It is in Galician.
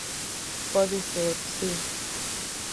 Pode ser, si.